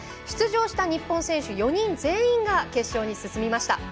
出場した日本選手４人全員が決勝に進みました。